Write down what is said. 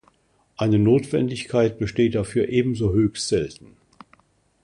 Eine Notwendigkeit besteht dafür ebenso höchst selten.